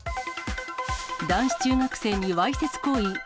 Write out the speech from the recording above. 男子中学生にわいせつ行為。